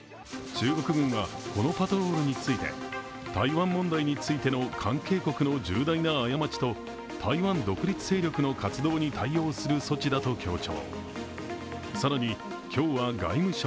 中国軍はこのパトロールについて台湾問題についての関係国の重大な過ちと台湾独立勢力の活動に対応する措置だと強調。